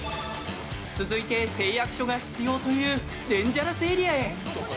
続いて、誓約書が必要というデンジャラスエリアへ。